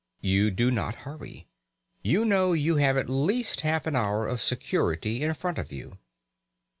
You do not hurry. You know you have at least half an hour of security in front of you.